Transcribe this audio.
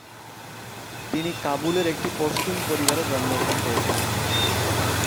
তিনি কাবুলের একটি পশতুন পরিবারে জন্মগ্রহণ করেছিলেন।